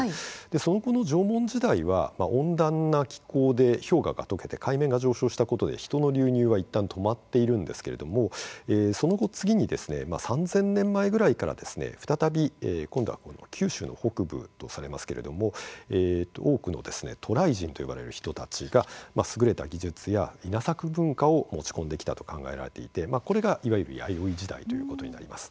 その後の縄文時代は温暖な気候で氷河がとけて海面が上昇したことで人の流入は、いったん止まっているんですけれどもその後、次に３千年前ぐらいから再び、今度は九州の北部とされますけれども多くの渡来人と呼ばれる人たちが優れた技術や稲作文化を持ち込んできたと考えられていてこれが、いわゆる弥生時代ということになります。